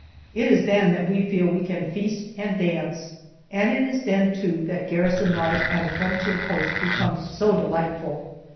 It is then that we feel we can feast and dance, and it is then, too, that garrison life at a frontier post becomes so delightful.